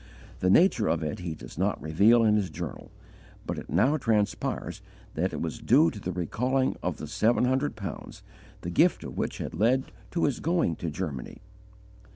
The nature of it he does not reveal in his journal, but it now transpires that it was due to the recalling of the seven hundred pounds, the gift of which had led to his going to Germany.